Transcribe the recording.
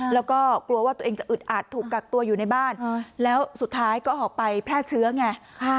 แล้วก็กลัวว่าตัวเองจะอึดอัดถูกกักตัวอยู่ในบ้านแล้วสุดท้ายก็ออกไปแพร่เชื้อไง